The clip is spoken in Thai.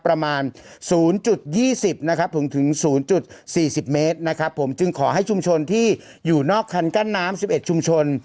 ประมาณ๐๒๐นะครับถึง๐๔๐เมตรนะครับผมจึงขอให้ชุมชนที่อยู่นอกคันกั้นน้ำ๑๑ชุมชน